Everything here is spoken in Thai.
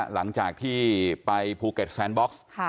หลังจากที่ไปภูเก็ตแซนบ็อกซ์